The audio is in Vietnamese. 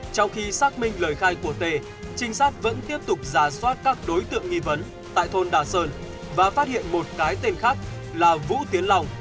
trong khi xác minh lời khai của t trinh sát vẫn tiếp tục giả soát các đối tượng nghi vấn tại thôn đà sơn và phát hiện một cái tên khác là vũ tiến lòng